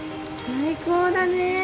最高だね。